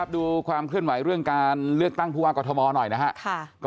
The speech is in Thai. ดูความเคลื่อนไหวเรื่องการเลือกตั้งผู้ว่ากอทมหน่อยนะครับ